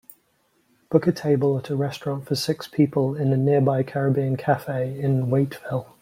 book a table at a restaurant for six people in a nearby caribbean cafe in Waiteville